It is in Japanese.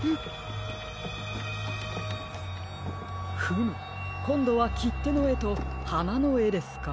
フムこんどはきってのえとはなのえですか。